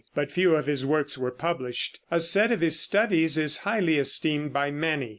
But few of his works were published. A set of his studies is highly esteemed by many.